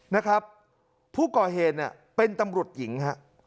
นะครับผู้ก่อเหตุเนี่ยเป็นตำรวจหญิงฮะ